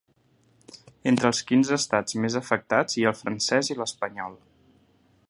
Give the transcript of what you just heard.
Entre els quinze estats més afectats hi ha el francès i l’espanyol.